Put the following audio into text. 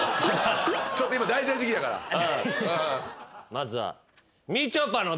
まずは。